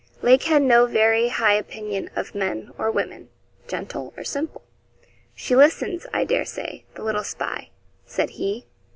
Lake had no very high opinion of men or women, gentle or simple. 'She listens, I dare say, the little spy,' said he.